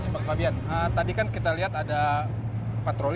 pak fabian tadi kan kita lihat ada patroli